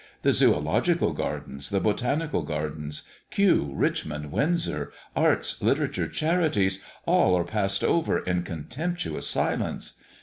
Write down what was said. The Zoological gardens, the Botanical gardens, Kew, Richmond, Windsor, arts, literature, charities all are passed over in contemptuous silence.